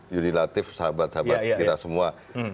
yudi latif sahabat sahabat kita semua